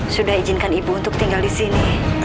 sudah izinkan ibu untuk tinggal disini